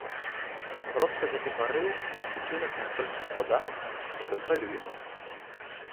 Проста гэты парыў, учынак настолькі складаны, некантралюемы.